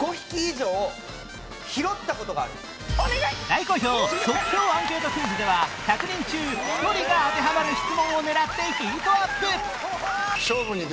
大好評即興アンケートクイズでは１００人中１人が当てはまる質問を狙ってヒートアップ！